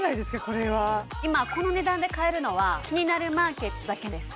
これは今この値段で買えるのは「キニナルマーケット」だけです